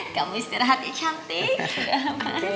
kamu istirahatnya cantik